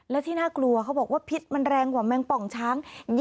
และที่น่ากลัวเขาบอกว่าพิษมันแรงกว่าแมงป่องช้าง